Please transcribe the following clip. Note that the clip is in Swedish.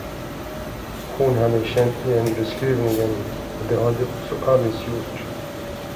Hon hade känt igen beskrivningen, och det hade också Alice gjort.